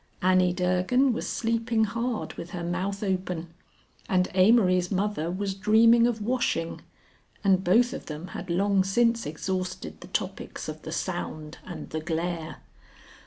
Annie Durgan was sleeping hard with her mouth open, and Amory's mother was dreaming of washing, and both of them had long since exhausted the topics of the Sound and the Glare.